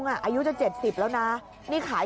ขายมาตั้งสี่สิบกว่าปีแล้ว